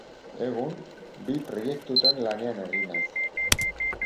Egun, bi proiektutan lanean ari naiz.